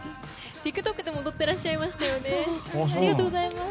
ＴｉｋＴｏｋでも踊ってましたよね。